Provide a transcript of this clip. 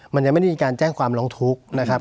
มันยังไม่ได้มีการแจ้งความร้องทุกข์นะครับ